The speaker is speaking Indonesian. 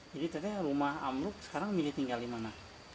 jadi tete rumah amruk sekarang milih tinggal di mana